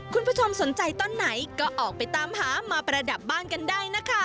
คุณผู้ชมสนใจต้นไหนก็ออกไปตามหามาประดับบ้านกันได้นะคะ